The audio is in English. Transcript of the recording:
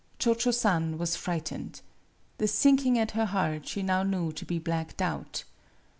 Cho Cho San was frightened. The sink ing at her heart she now knew to be black doubt.